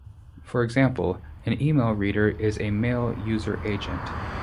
For example, an email reader is a mail user agent.